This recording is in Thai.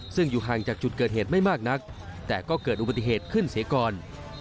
ซึ่งอยู่ห่างจากจุดเกิดเหตุไม่มากนักแต่ก็เกิดอุบัติเหตุขึ้นเสียก่อน